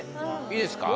いいですか？